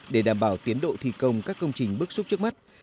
để đảm bảo tiến độ thi công các công trình bước xuống trước mắt